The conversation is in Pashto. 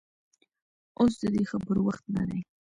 اوس د دې خبرو وخت نه دى.